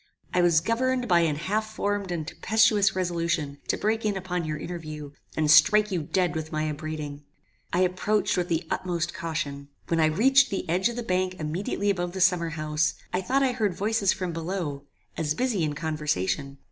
I was governed by an half formed and tempestuous resolution to break in upon your interview, and strike you dead with my upbraiding. "I approached with the utmost caution. When I reached the edge of the bank immediately above the summer house, I thought I heard voices from below, as busy in conversation.